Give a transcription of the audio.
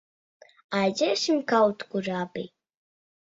Aiziesim kaut kur abi?